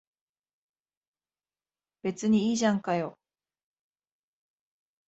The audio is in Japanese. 別にいいじゃんかよ。